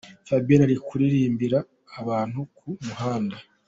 Fabien ari kuririmbira abantu ku muhanda.